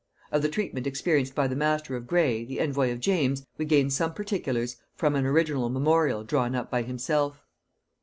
Of the treatment experienced by the master of Gray, the envoy of James, we gain some particulars from an original memorial drawn up by himself.